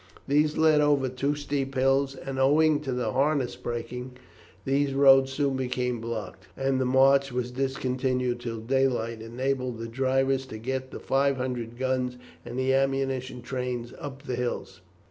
These led over two steep hills, and, owing to the harness breaking, these roads soon became blocked, and the march was discontinued till daylight enabled the drivers to get the five hundred guns and the ammunition trains up the hills.